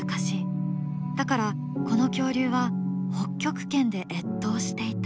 だからこの恐竜は北極圏で越冬していたと結論づけたのだ。